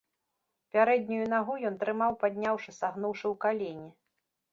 Пярэднюю нагу ён трымаў падняўшы, сагнуўшы ў калене.